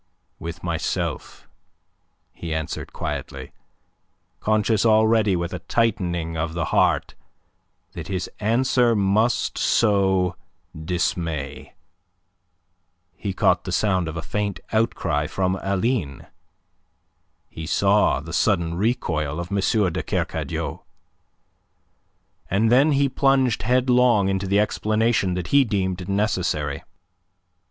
"With myself," he answered quietly, conscious already with a tightening of the heart that his answer must sow dismay. He caught the sound of a faint outcry from Aline; he saw the sudden recoil of M. de Kercadiou. And then he plunged headlong into the explanation that he deemed necessary.